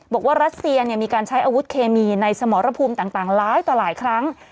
บอกว่ารัสเซียเนี่ยมีการใช้อาวุธเคมีในสมรพุมต่างร้ายต่อหลายครั้ง